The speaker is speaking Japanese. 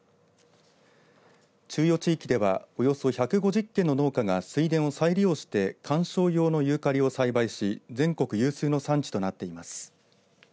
中予地域では、およそ１５０軒の農家が水田を再利用して観賞用のユーカリを栽培し全国有数の産地となっています。